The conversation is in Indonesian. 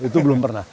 itu belum pernah